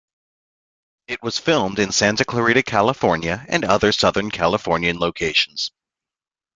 It was filmed in Santa Clarita, California, and other Southern Californian locations.